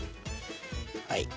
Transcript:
はい。